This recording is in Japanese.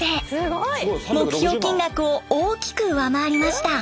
目標金額を大きく上回りました。